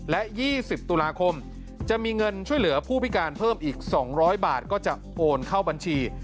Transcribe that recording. และ๒๐ตุลาคมจะมีเงินช่วยเหลือผู้พิการเพิ่มอีก๒๐๐บาทก็จะโอนเข้าบัญชี